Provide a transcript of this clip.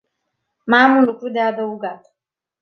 Mai am un lucru de adăugat.